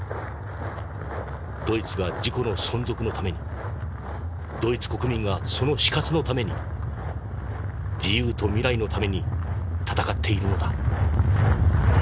ドイツが自己の存続のためにドイツ国民がその死活のために自由と未来のために戦っているのだ」。